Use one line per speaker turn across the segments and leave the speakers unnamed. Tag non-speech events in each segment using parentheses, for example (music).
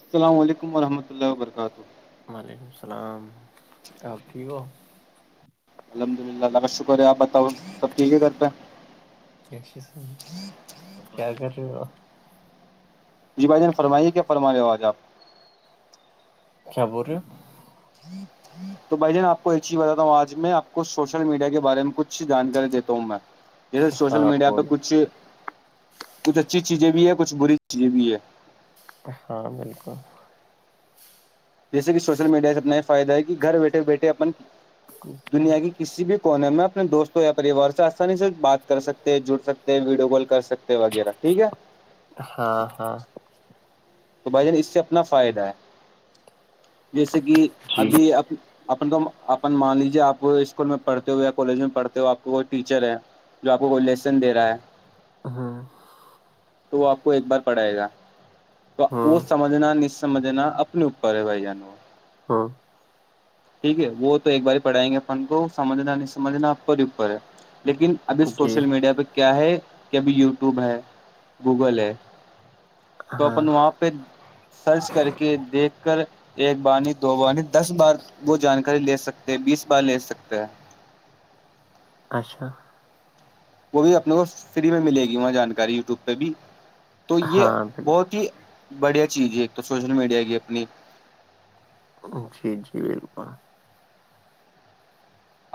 السلام علیکم ورحمۃ اللہ وبرکاتہ
وعلیکم السلام آپ ٹھیک ہو
الحمد للہ اللہ کا شکر ہے آپ بتاؤ سب ٹھیک ہے کرتے ہیں
اش س کیا کر رہے ہو
جی بھائی جان فرمائیے کیا فرماے ہو آج آپ
کیا بول رہے ہو
تو بھائی ج آپ کو ایک چیز بتاتا ہوں آج میں آپ کو سوشل میڈیا کے بارے میں کچھ جانکاری دیتا ہوں میں جیسے سوشل
ہاں
میڈیا پہ
بول
کچھ کچھ اچھی چیزیں بھی ہے کچھ بری چیزیں بھی ہے
ہاں بالکل
جیسے کہ سوشل میڈیا سے اپتنا یہ فائدہ ہے کہ گھر بیٹھے بیٹھے اپن دنیا کی کسی بھی کونے میں اپنے دوستوں یا پریوار سے آسانی سے بات کر سکتے ہیں جڑ سکتے ہیں ویڈیو کال کر سکتے تے وغیرہ ٹھیک ہے
ہاں ہاں
تو بھائی جان اس سے اپنا فائدہ ہے جیسے کہ
جی
ابھی اب اپن کو اپن مان لیجیے آپ اسکول میں پڑھتے ہوئے یا کالج میں پڑھتے ہو آپ کو کو ٹیچر ہے جو آپ کوئی لسنس دے رہا ہے
ہ
تو وہ آپ کو ایک بار پڑھائے گا تو
ہاں
وہ سمجھ جھنا نمجھینا اپنے اوپر ہے بائی جان
ہاں
ٹھیک ہے وہ تو ایک باری پڑھائیں گے اپن کو سمجھنا نہیں سمجھنا ا ہی اوپر ہے لیکن ابھی
جی
سوشل میڈیا پہ کیا ہے کہ ابھی یوٹیوب ہے گوگل ہے تو
ہاں
اپن وہاں پہ سرچ کر کے دیکھ کر ایک بانی دو بانی دس بار وہ جانکاری لے سکتے ہیں بیس بار لے سکتے ہیں
اچھا
وہ بھی اپنے کو فری میں ملے گی وہاں جانکاری یوٹیوب پہ بھی تو یہ
ہاں بالکل
بہت ہی بڑھیا چیز ہے ایک تو سوشل میڈیا کی اپنی
جی جی بالکل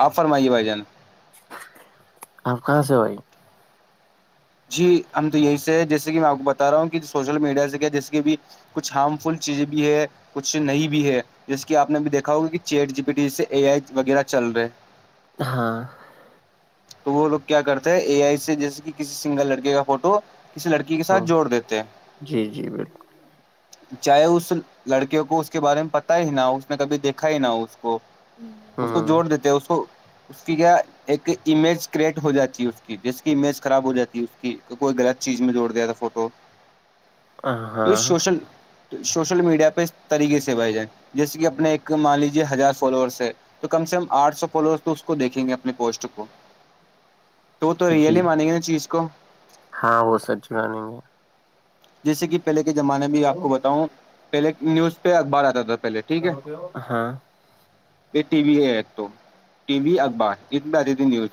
آپ فرمائیے بھائی جان
آپ کہاں سے بھائی
جی ہم تو یہیں سے ہے جیسے کہ میں آپ کو بتا رہا ہوں کہ سوشل میڈیا سے کیا جیسے کہ بھی کچھ ہارم فل چیزیں بھی ہے کچھ نہیں بھی ہے جس کی آپ نے بھی دیکھا ہوگا کہ چیٹ جی پی ٹی سے اے آئی وغیرہ چل رہا
ہاں
تو وہ لوگ کیا کرتے ہیں اے آئی سے جیسے کہ کسی سنگل لڑکے کا فوٹو کسی لڑکی کے ساتھ
ہاں
جوڑ دیتے ہیں
جی جی بالکل
چاہے اس لڑکے کو اس کے بارے میں پتا ہی نہ ہو اس نے کبھی دیکھا ہی نہ ہو اس کو اس کو جوڑ
ہ
دیتے ہیں اس کو اس کی کیا ایک امیج کریٹ ہو جاتی ہے اس کی جیس کی امیج خراب ہو جاتی ہے اس کی کوئی غلط چیز میں جوڑ دیا تھا فوٹو
(inaudible)
یہ
ہاں
سوشل شوشل میڈیا پہ اس طریقے سے بھائی جان جیسے کہ اپنے ایک مان لیجیے ہزار فالوورس ہے تو کم سے کم آٹھ سو فالوور تو اس کو دیکھیں گے اپنے پوسٹ کو وہ تو ریئل
جی
ہی مانیں گے نا چیز کو
ہاں وہ سچ مانیں گے
جیسے کہ پہلے کے زمانے میں آپ کو بتاؤں پہلے نیوز پہ اخبار آتا تھا پہلے ٹھیک
کیا
ہے
بولتے ہو ہاں
یہ ٹی وی ہے ایک تو ٹی وی اخبار نیوز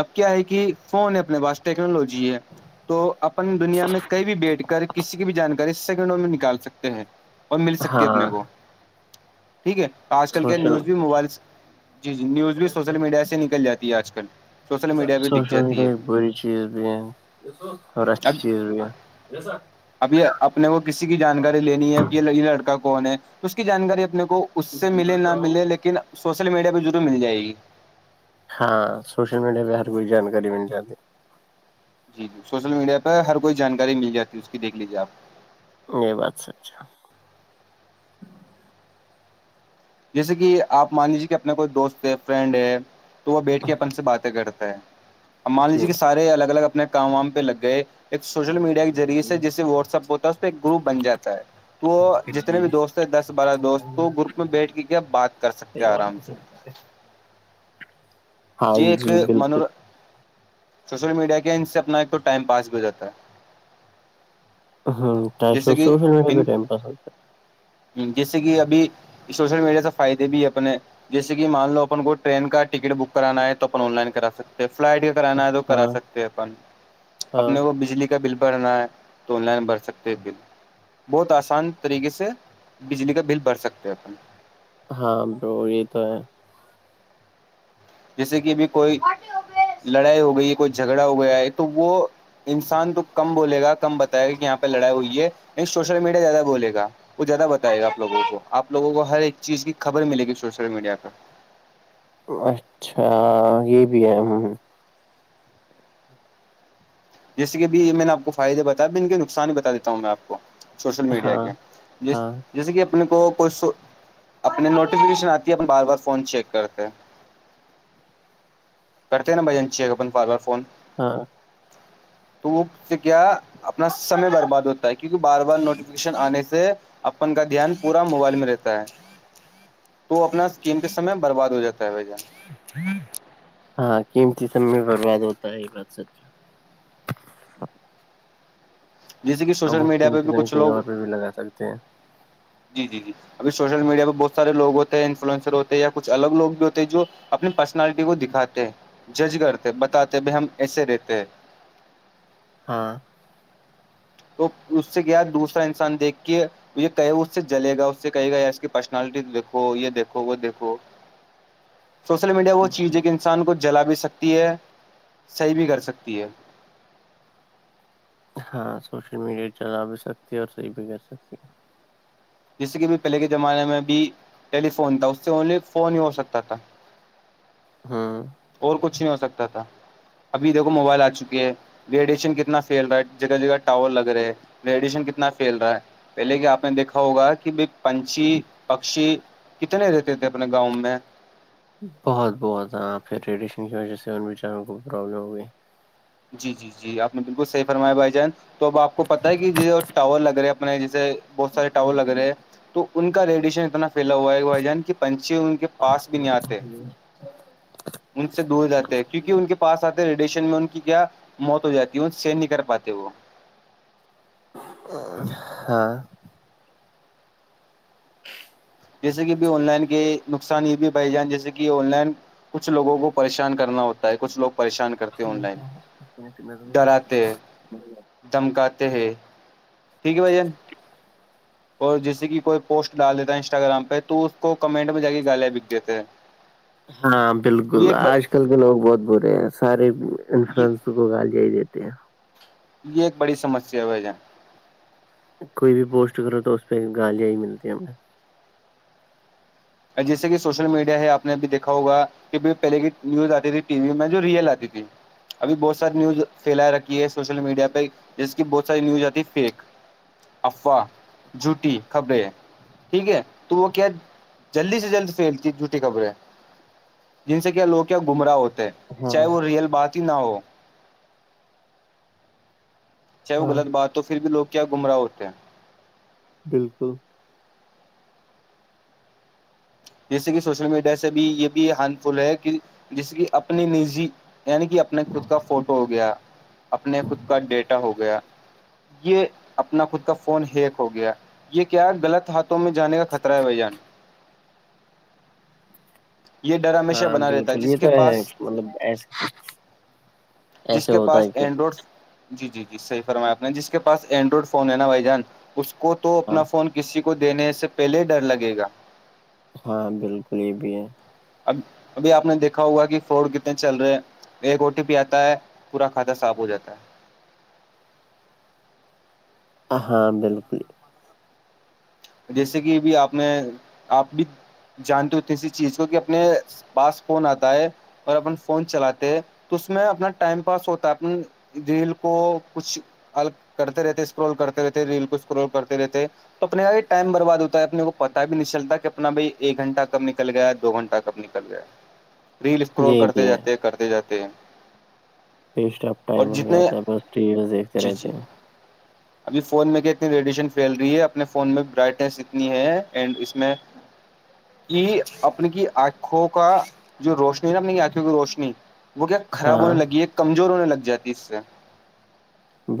اب کیا ہے کہ فون ہے اپنے پاس ٹیکنالوجی ہے تو اپن دنیا میں کئی بھی بیٹھ کے کسی کی بھی جانکاری سیکنڈوں میں نکال سکتے ہیں اور مل سکتی ہے
ہاں
اپنے کو ٹھیک ہے آج کل کیا
سوشل
نیوز بھی موبائل جی جی نیوز بھی سوشل میڈیا سے نکل جاتی ہے آج کل سوشل میڈیا پہ دکھ
سوشل میڈیا
جاتی ہے
ایک بری چیز بھی ہے اور اچھی
اب
چیز بھی ہے جیسا
اب یہ اپنے کو کسی کی جانکاری لینی ہے کہ یہ لڑکا کون ہے اس کی جانکاری اپنے کو اس سے ملے نہ ملے لیکن سوشل میڈیا بھی ضرور مل جائے گی
ہاں سوشل میڈیا پہ ہر کوئی جانکاری مل جاتی
جی جی سوشل میڈیا پہ ہر کوئی جانکاری مل جاتی اس کی دیکھ لیجیے آپ
یہ بات سچ ہے
جیسے کہ آپ مان لیجیے کہ اپنا کوئی دوست یا فرینڈ ہے تو وہ بیٹھ کے اپن سے باتیں کرتا ہے اب مان
جی
لیجیے کہ سارے الگ الگ اپنے کام وام پہ لگ گئے ایک سوشل میڈیا کے ذریعے سے جسے واٹس ایپ ہوتا ہے اس پہ ایک گروپ بن جاتا ہے تو جتنے بھی دوست ہیں دس بارہ دوست تو گروپ میں بیٹھ کے کیا بات کر سکتے ہیں آرام سے
ہاں
یہ ایک
جی بالکل
سوشل میڈیا کے ان سے اپنا ایک تو ٹائم پاس بھی ہو جاتا ہے
ہاں
جیسے کہ ان جیسے کہ ابھی سوشل میڈیا سے فائدے بھی ہے اپنے جیسے کہ مان لو اپن کو ٹرین کا ٹکٹ بک کرانا ہے تو اپن آن لائن کرا سکتے ہیں فلائٹ کا کرانا ہے تو کرا
ہاں
سکتے ہیں اپن
ہاں
اپنے کو بجلی کا بل بھرنا ہے تو آن لائن بھر سکتا بل بہت آسان طریقے سے بجلی کا بل بھر سکتے اپن
ہاں برو یہ تو ہے
جیسے کہ ابھی کوئی لڑائی ہو گئی ہے کوئی جھگڑا ہو گیا ہے تو وہ انسان تو کم بولے گا کم بتائے گا کہ یہاں پہ لڑائی ہوئی ہے سوشل میڈیا زیادہ بولے گا وہ زیادہ بتائے گا آپ لگوں کو لوگوں کو ہر ایک چیز کی خبر ملے گی سوشل میڈیا پہ
اچھا یہ بھی ہے ہ ہ
جیس کہ بھی میں نےپ کو فائد بتایا ان کے نقصان بتا دیتا ہوں میں آپ کو سوشل میڈیا
ہاں
کے جس
ہاں
جیسے کہ اپنے کو کوئی اپنے نوٹیفیکیشن آتی ہے اپنا بار بار فون چیک کرتے ہیں کرتے ہے نا بھائی جان چیک اپن بار بار فون
ہاں
تو وہ سے کیا اپنا سمے برباد ہوتا ہے کیونکہ بار بار نوٹیفکیشن آنے سے اپن کا دھیان پورا موبائل میں رہتا ہے تو اپنا قیمتی سمے برباد ہو جاتا ہے بھائی جان
ہاں قیمتی سب میں برباد ہوتا ہے یہ بات سچا
جیسے کہ
اب
سوشل
وہ
میڈیا پہ
قیمتی
بھی
طرح
کچھ
کہیں
لوگ
اور پہ بھی لگا سکتے ہیں
جی جی جی ابھی سوشل میڈیا پہ بہت سارے لو ہوتے ہیں انفلئنسر ہوتے ہیں یاچھ الگ لو بھی ہوتے ہیں جو اپنی پرسنالٹی کو دکھاتے جج کرتے بتاتے بھائی ہم ایسے رہتے ہیں
ہاں
تو اس سے گیا دوسرا انسان دیکھ کے یہ کہ اس سے جلے گا اس سے کہے گا یا اس کی پرسنالٹی دیکھو یہ دیکھو وہ دیکھو
(inaudible)
سوشل میڈیا وہ چیز ہے کہ انسان کو جلا بھی سکتی ہے صحیح بھی کر سکتی ہے
ہاں سوشل میڈیا چلا بھی سکتی ہے اور صحیح بھی کر سکتی ہیں
جیسے کہ بھی پہلے کے زمانے میں ا بھیھی ٹیلی فون تھا اس سے اونلی فون ہی ہو سکتا تھا
ہاں
اور کچھ نہیں ہو سکتا تھا ابھی دیکھو موبائل آ چکی ہے ریڈیشن کتنا فھیل رہا ہے جگہ جگہ ٹاور لگ رہے ریڈیشن کتنا پھیل رہا ہے پہلے کہ آپ نے دیکھا ہوگا کہ بائی پنچھی پکشی کتنے رہتے تھے اپنے گاؤں میں
بہت بہت ہ پھر ریڈیشن کی وجہ سے ان بیچاروں کو بھی پرابلم ہو گئی
جی جی جی آپ نے بالکل صحیح فرمایا بھائی جان تو اب آپ کو پتا ہے کہ ٹاور لگ رہے اپنے جیسے بہت سارے ٹاور لگ رہے ہیں تو ان کا ریڈیشن اتنا پھیلا ہوا ہے کہ بھائی جان کی پنچی ان کے پاس بھی نہیں آتے ان سے دور جاتے ہیں کیونکہ ان کے پاس آتے ہیں ریڈیشن میں ان کی کیا موت ہو جاتی ہے سین نہیں کر پاتے وہ
ہاں
جیسے کہ ابھی آن لائن کے نقصان یہ بھی بائی جائ جیسے کہ آن لائن کچھ لوگوں کو پریشان کرنا ہوتا ہے کچھ لوگ پریشان کرتے آن لائن ڈراتے دھمکاتے ہیں ٹھیک ہے بھائین اور جیسے کہ کوئی پوسٹ ڈال دیتا ہے انسٹاگرام پہ تو اس کو کمنٹ میں جا کے گالے بک دیتے ہیں
ہاں بالکل
یہ ایک
آج کل کے لوگ بہت برے ہیں
یہ
سارےفلنس وہوگال جے ہی دیتے ہیں
یہ ایک بڑی سمسیا وجہ
کوئی بھی پوسٹ کرو تو اس پہ گالیاں ہی ملتی ہیںا
جیسے کہ سوشل میڈیا ہے آپ نے بھی دیکھا ہوگا کی پہلے کی نیوز آتی تھی ٹی وی میں جو ریئل آتی تھی ابھی بہت ساری نیوز پھیلا رکھی ہے سوشل میڈیا پہ جس کی بہت ساری نیوز آتی ہے فیک افوا جھوٹی خھبریں ہے ٹھیک ہے تو وہ کیا جلدی سے جلد پھیلتی جھوٹی خبریں جن سے کیا لوگ کیا گمراہ ہوتے ہیں
ہاں
چاہے وہ ریئل بات ہی نہ ہو چاہے وہ
ہاں
غط بات ہو پھر بھی لوگ کیا گمراہ ہوتے ہیں
بالکل
جیسے کہ سوشل میڈیا سے بھی یہ بھی ہارم فل ہے کہ جس کی اپنی نجی یعنی کہ اپنے خود کا فوٹو ہو گیا اپنے خود کا ڈیٹا ہو گیا یہ اپنا خود کا فون ہیک ہو گیا یہ کیا غلط ہاتھوں میں جانے کا خطرہ ہے بھ جان یہ ڈر ہمیشہ
ہاں
بنا رہتا ہے
بالکل یہ
جس
تو
کے
ہے
پاس
مطلب ایسے
جس
ایسے
کے
ہوتا
پاس
ہے کہ
اینڈرائڈ جی جی جی صحی فرمایا آپ نے جس کے پاس اینڈرائڈ فون ہے نا بھائی جان اس کو تو اپنا
ہاں
فون کسی کو دینے سے پہلے ہی ڈر لگے گا
ہاں بالکل یہ بھی ہے
اب ابھی آپ نے دیکھا ہوگا کہ فورڈ کتنے چل رہے ہیں ایک او ٹی پی آتا ہے پورا کھاتا صاف ہو جاتا ہے
ہاں بالکل
جیسے کہ بھی آپ نے آپ بھی جانتے ہو اسی چیز کو کہ اپنے پاس کون آتا ہے اور اپن فون چلاتے تو اس میں اپنا ٹائم پاس ہوتا اپ دل کو کچھ کرتے رہتے اسکرول کرتے رہتے ریل کو اسکرول کرتے رہتے تو اپنے آئی ٹائم برباد ہوتا ہے اپنے کو پت بھی نہیں چلتا کہ اپنا بھائی ایک گھنٹہ کب نکل گیا دو گھنٹہ کب نکل گیا
ج
ریل اسکرول کرتے جاتے ہیں کرتے جاتے ہیں
پیسٹب
اور
ٹائم ہو
جتنے
جاتا ہے بس ٹییلس دیکھتے
جی
رہتے
جی
ہیں
ابھی فون میں کیا اتنی ریڈیشن پھیل رہی ہے اپنے فون میں رائٹنیس اتنی ہے اینڈ اس میں کہ اپنی کی آنکھوں کا جو روشنی ہے نا اپنی کی آنکھوں کی روشنی وہ کیا خراب
ہاں
ہونے لگی ہے کمزور ہونے لگ جاتی اس سے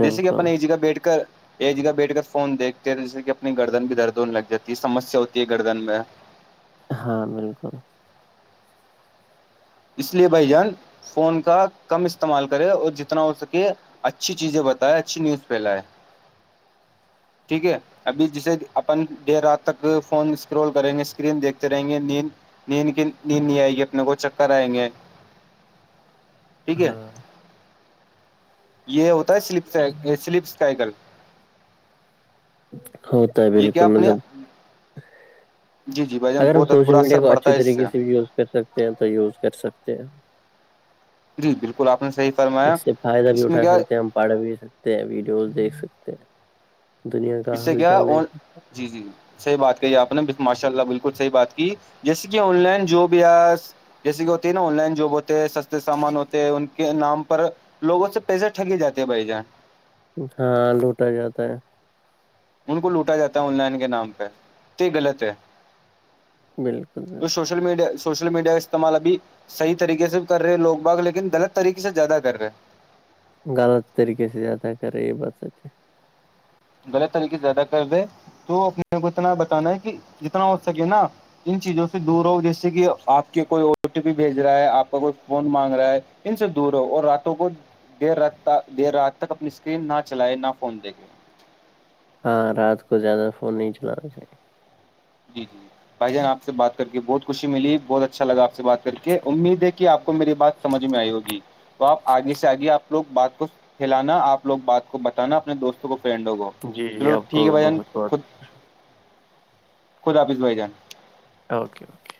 جیسے کہ اپن ایک جگہ بیٹھ کر ایک جگہ بیٹھ کر فون دیکھتے تھ جیسے کہ اپنے گردن بھی درد ہون لگ جاتی ہے سسیا ہوتی ہے گردن میں
ہاں بالکل
اس لیے بھائی جان فون کا کم استعمال کرے اور جتنا ہو سکے اچھی چیزیں بتائے اچھی نیوز پھیلائے
(inaudible)
ٹھیک ہے ابھی جسے اپن دیر رات تک فون کرول کریں گے اسکرین دیکھتے رہیں گے نیند نیند کی نیند نہیں آئے گی اپنے کو چکر کرائیں گے ٹھیک ہے
ہاں
یہ ہوتا ہے سلپ سلپ کایکل
ہ
یہ کیا اپنے جی جی بھائی جان
اگر ہم
بہت
سوشل
برا
میڈیا
اثر
کو
پڑتا
اچھیے
ہے اس
طریقے سے یوز کر سکتے ہیں تو یوز کر سکتے ہیں
جی بالکل آپ نے صح
اس سے فائدہ بھی اٹھا سکتے ہیں ہم پڑھ بھی سکتے ہیں ویڈیوز دیکھ سکتے ہیں دنیا کا
اس سے
حال
کیا
چال
اور
دیکھ
جی جی صحیح بات کہی آپ نے ماشاء اللہ بالکل صحیح بات کی جیسے کہ آن لائن جو بھی آ جیسے کہ ہوتی ہے نا آن لائن جاب ہوتے ہیں سستے سامان ہوتے ان کے نام پر لوگوں سے پیسے ٹگک جاتے ہیں بھائی جان
ہاں لوٹا جاتا ہے
ان کو لوٹا جاتا ہے آن لائن کے نام پہ تو یہ غلط ہے
بالکل
تو
بالکل
سوشل میڈیا سوشل میڈیا اسعمال بھی صحیح طریقے سے کر رہے ہیں لوگ باغ لیکن غلط طریقے سے زیادہ کر رہے ہیں
غلط طریقے سے زیادہ کر رہے یہ بتچے
غلط طریقے سے زیادہ کر دے تو اپنے کو اتنا بتانا ہے کہ جتنا ہو سکے نا ان چیزوں سے دور ہو جیسے کہ آپ کے کوئی او ٹی پی بھیج رہا ہے آپ کا کوئی فون مانگ رہا ہے ان سے دور ہو اور راتوں کو دیر رات دیر رات تک اپنی اسکرین نہ چلائے نہ فون دیکھے
ہاں رات کو زیادہ فون نہیں چلانا چاہیے
جی جی بھائی جان آپ سے بات کر کے بہت خوشی ملی بہت اچھا لگا آپ سے بات کر کے امید ہے کہ آپ کو میری بات سمجھ میں آئی ہوگی تو آپ آگے سے آگے آپ لوگ بات کو ہلانا آپ لوگ بات کو بتانا اپنے دوستوں کو فرینڈ ہوگا
جی جی آپ کو بہت بہت خوش
خود آپیز بھ جان
اوکے اوکے